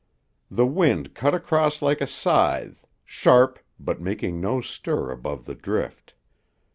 The wind cut across like a scythe, sharp, but making no stir above the drift.